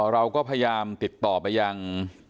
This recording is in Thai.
เราก็พยายามติดต่อไปยัง